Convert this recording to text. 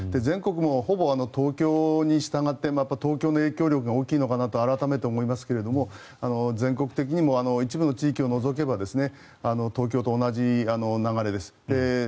全国もほぼ東京に従って東京の影響力が大きいのかなと改めて思いますが全国的にも一部の地域を除けば東京と同じ流れです。